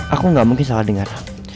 aku gak mungkin salah dengar